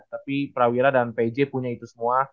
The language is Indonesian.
tapi prawira dan pj punya itu semua